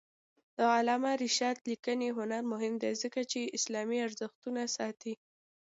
د علامه رشاد لیکنی هنر مهم دی ځکه چې اسلامي ارزښتونه ساتي.